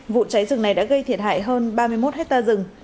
vụ cháy rừng này đã gây thiệt hại hơn ba mươi một hectare rừng